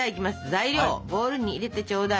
材料をボウルに入れてちょうだい。